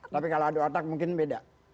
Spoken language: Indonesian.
tapi kalau adu otak mungkin beda